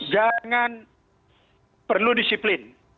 dan perlu disiplin